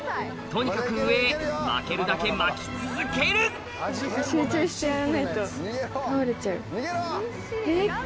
とにかく上へ巻けるだけ巻き続けるデッカ！